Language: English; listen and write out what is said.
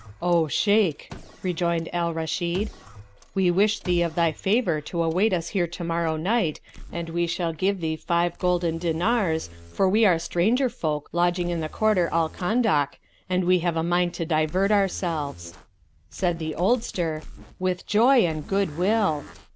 "O Shaykh," rejoined Al Rashid, "we wish thee of thy favour to await us here to morrow night and we will give thee five golden dinars, for we are stranger folk, lodging in the quarter Al Khandak, and we have a mind to divert ourselves." Said the oldster, "With joy and good will!"